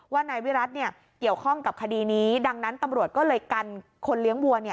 นายวิรัติเกี่ยวข้องกับคดีนี้ดังนั้นตำรวจก็เลยกันคนเลี้ยงวัว